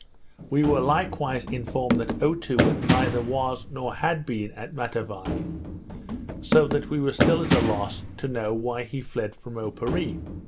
We were likewise informed that Otoo neither was nor had been at Matavai; so that we were still at a loss to know why he fled from Oparree.